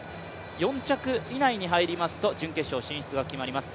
４着以内に入りますと、準決勝進出が決まります。